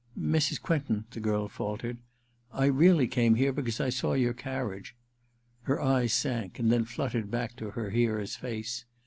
* Mrs. Quentin/ the girl faltered, * I really came here because I saw your carriage.' Her eyes sank, and then fluttered back to her hearer's face.